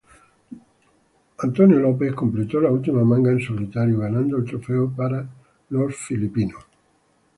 George Wood completó la última manga en solitario, ganando el trofeo para los estadounidenses.